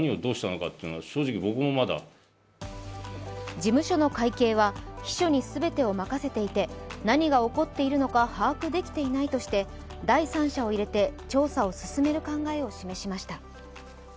事務所の会計は秘書に全てを任せていて何が起こっているのか把握できていないとして第三者を入れて調査を進める考えを示しました。